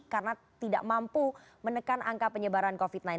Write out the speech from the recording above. karena tidak mampu menekan angka penyebaran covid sembilan belas